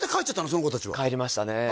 その子達帰りましたね